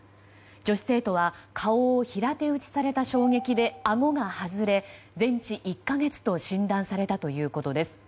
女子生徒は顔を平手打ちされた衝撃であごが外れ全治１か月と診断されたということです。